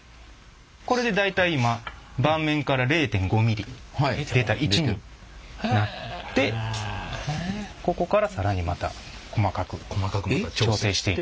これで大体今盤面から０．５ミリ出た位置になってここから更にまた細かく調整していく。